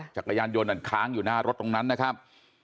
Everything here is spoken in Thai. จักรยานยนต์ค้างอยู่หน้ารถตรงนั้นนะครับ